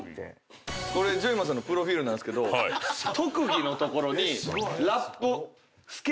これジョイマンさんのプロフィルなんすけど特技の所に。